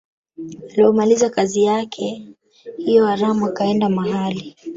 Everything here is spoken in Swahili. Alipomaliza kazi yake hiyo haramu akaenda mahali